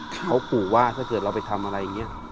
เขาขู่ว่าถ้าเกิดเราไปทำอะไรอย่างนี้